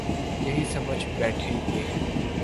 یہی سمجھ بیٹھے کہ